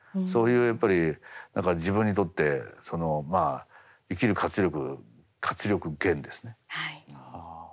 そういうやっぱり何か自分にとってその生きる活力活力源ですね。